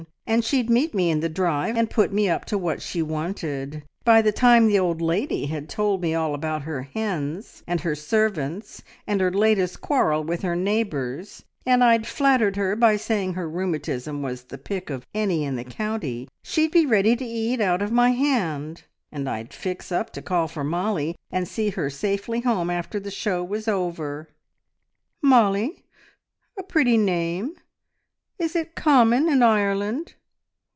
and she'd meet me in the drive, and put me up to what she wanted. By the time the old lady had told me all about her hens, and her servants, and her latest quarrel with her neighbours, and I'd flattered her by saying her rheumatism was the pick of any in the county, she'd be ready to eat out of my hand. And I'd fix up to call for Mollie, and see her safely home after the show was over." "Mollie? A pretty name! Is it common in Ireland?"